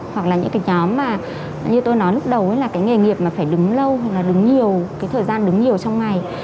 hoặc là những cái nhóm mà như tôi nói lúc đầu là cái nghề nghiệp mà phải đứng lâu hoặc là đứng nhiều cái thời gian đứng nhiều trong ngày